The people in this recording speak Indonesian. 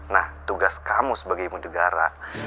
nah tugas kamu sebagai ibu negara